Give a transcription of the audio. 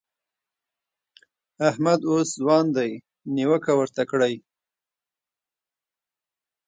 احمد اوس ځوان دی؛ نيوکه ورته کړئ.